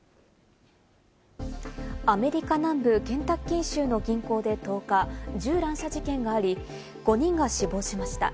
アメリカ南部ケンタッキー州の銀行で１０日、銃乱射事件があり、５人が死亡しました。